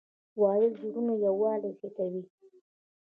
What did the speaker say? • واده د زړونو یووالی زیاتوي.